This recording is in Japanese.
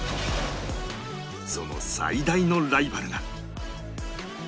その最大のライバルが